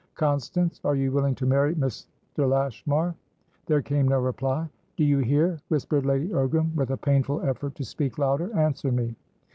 Constance, are you willing to marry Mr. Lashmar?" There came no reply. "Do you hear?" whispered Lady Ogram, with a painful effort to speak louder. "Answer me."